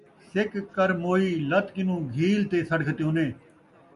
سک کر موئی ، لت کنوں گھیل تے سٹ گھتیونے